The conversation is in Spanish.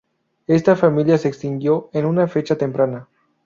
Esta familia se extinguió en una fecha temprana.